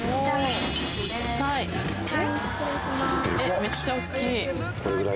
めっちゃ大っきい。